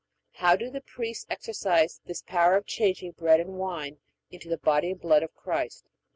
How do the priests exercise this power of changing bread and wine into the body and blood of Christ?